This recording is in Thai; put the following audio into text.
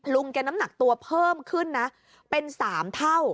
ลุงแกน้ำหนักตัวเพิ่มขึ้นนะเป็น๓เท่า